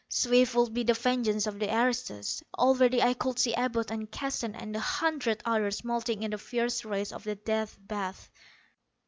Swift would be the vengeance of the aristos. Already I could see Abud and Keston and a hundred others melting in the fierce rays of the Death Bath!